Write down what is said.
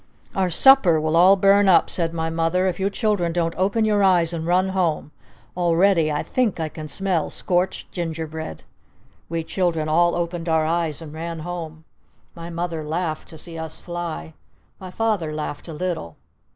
"Our supper will all burn up," said my Mother, "if you children don't open your eyes and run home! Already I think I can smell scorched Ginger bread!" We children all opened our eyes and ran home! My Mother laughed to see us fly! My Father laughed a little!